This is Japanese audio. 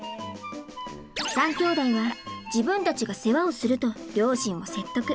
３姉弟は自分たちが世話をすると両親を説得。